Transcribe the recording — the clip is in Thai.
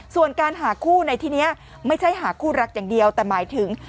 ส่วนการหาคู่ในที่นี้ไม่ใช่หาคู่รักอย่างเดียวแต่หมายถึง